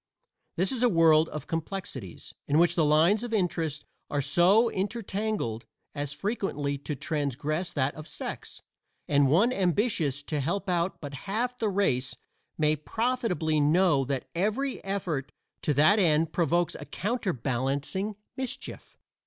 This is a world of complexities, in which the lines of interest are so intertangled as frequently to transgress that of sex; and one ambitious to help but half the race may profitably know that every effort to that end provokes a counterbalancing mischief.